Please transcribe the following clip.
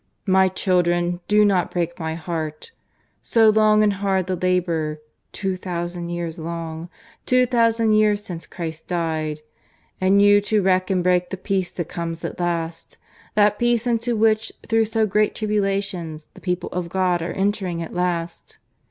"My children, do not break my heart! So long and hard the labour two thousand years long two thousand years since Christ died; and you to wreck and break the peace that comes at last; that peace into which through so great tribulations the people of God are entering at last.